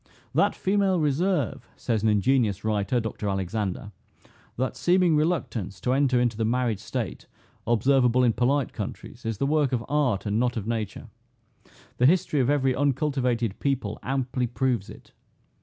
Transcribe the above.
"That female reserve," says an ingenious writer, [Dr Alexander,] "that seeming reluctance to enter into the married state, observable in polite countries, is the work of art, and not of nature. The history of every uncultivated people amply proves it.